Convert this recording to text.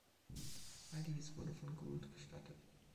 All dies wurde von Gould gestattet.